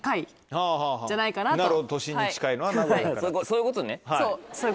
そういうことね。